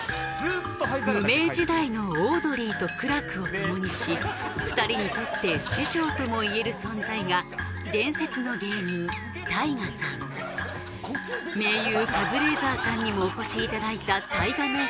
無名時代のオードリーと苦楽を共にし２人にとって師匠とも言える存在が伝説の芸人ＴＡＩＧＡさん盟友カズレーザーさんにもお越しいただいたＴＡＩＧＡ